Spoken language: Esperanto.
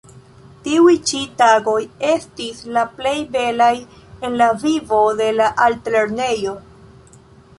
Tiuj ĉi tagoj estis la plej belaj en la vivo de la artlernejo.